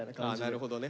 なるほどね。